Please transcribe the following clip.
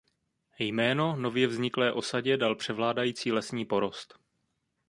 Jméno nově vzniklé osadě dal převládající lesní porost.